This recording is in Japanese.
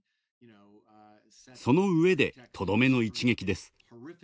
そのうえで、とどめの一撃です。